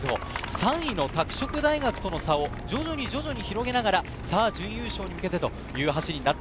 ３位の拓殖大学との差を徐々に広げながら、準優勝に向けてという走りです。